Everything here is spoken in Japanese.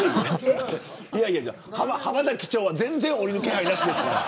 浜田機長は全然、降りる気配ないですから。